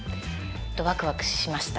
ワクワクしました。